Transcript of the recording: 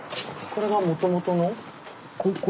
これがもともとの？